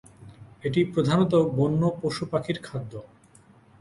এটি প্রধানতঃ বন্য পশু পাখির খাদ্য।